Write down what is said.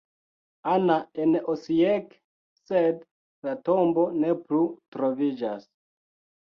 Ana" en Osijek, sed la tombo ne plu troviĝas.